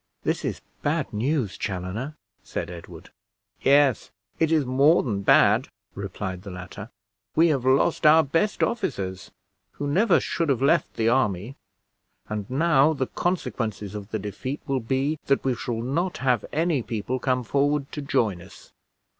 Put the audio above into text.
"This is bad news, Chaloner," said Edward. "Yes; it is more than bad," replied the latter; "we have lost our best officers, who never should have left the army; and now the consequences of the defeat will be, that we shall not have any people come forward to join us.